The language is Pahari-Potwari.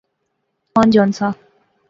آن جان سا